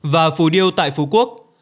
và phù điêu tại phú quốc